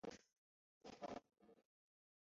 光绪十一年进士。